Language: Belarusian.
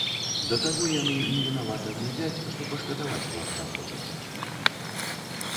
Да таго яны невінавата глядзяць, што пашкадаваць хлапца хочацца.